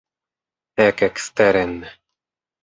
Ekeksteren!